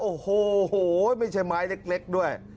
โอ้โหไม่ใช่ไม้เล็กด้วย